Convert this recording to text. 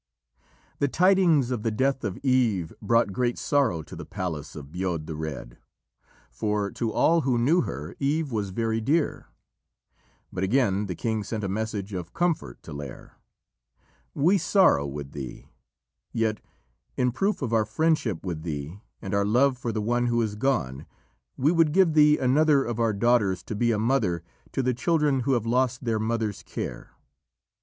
The tidings of the death of Eve brought great sorrow to the palace of Bodb the Red, for to all who knew her Eve was very dear. But again the king sent a message of comfort to Lîr: "We sorrow with thee, yet in proof of our friendship with thee and our love for the one who is gone, we would give thee another of our daughters to be a mother to the children who have lost their mother's care."